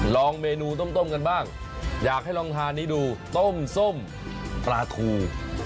ลองเมนูต้มกันบ้างอยากให้ลองทานนี้ดูต้มส้มปลาทู